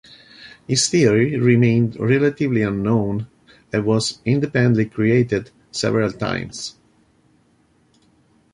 His theory remained relatively unknown and was independently created several times.